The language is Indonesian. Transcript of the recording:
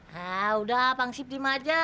haa udah pangsip di maja